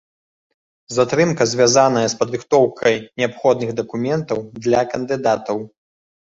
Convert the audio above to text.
Затрымка звязаная з падрыхтоўкай неабходных дакументаў для кандыдатаў.